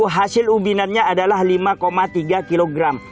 hasil ubinannya adalah lima tiga kilogram